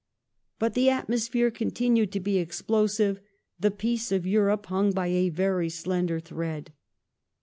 ^ But the atmosphere continued to be ^plosive ; the peace of Europe hung by a very slender thread.